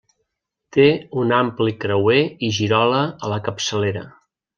Té un ampli creuer i girola a la capçalera.